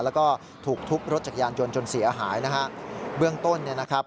แล้วก็ถูกทุบรถจักรยานยนต์จนเสียหายนะฮะเบื้องต้นเนี่ยนะครับ